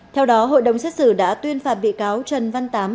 theo đó hội đồng xét xử đã tuyên phạt bị cáo trần văn tám